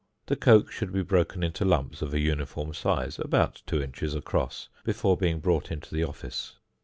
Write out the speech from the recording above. The coke should be broken into lumps of a uniform size (about 2 in. across) before being brought into the office.